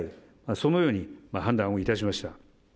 そのように判断をいたしました。